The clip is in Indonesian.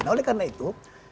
nah oleh karena itu